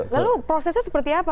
lalu prosesnya seperti apa